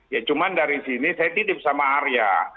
ya cuma dari sini saya titip sama arya